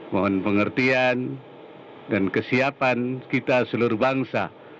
mohon pengertian dan kesiapan kita seluruh bangsa